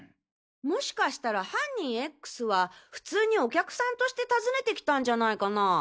もしかしたら犯人Ｘは普通にお客さんとして訪ねてきたんじゃないかなぁ？